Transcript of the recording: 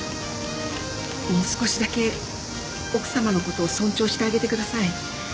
もう少しだけ奥さまのことを尊重してあげてください。